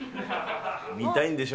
見たいんでしょ？